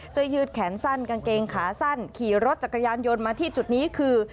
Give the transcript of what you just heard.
เสื้อยืดแขนสั้นกางเกงขาสั้นขี่รถจักรยานยนต์มาที่จุดนี้คือ